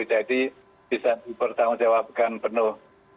jadi bisa dipertanggungjawabkan penuh